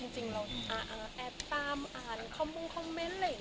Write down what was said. จริงเราแอบตามอ่านข้อมูลคอมเม้นต์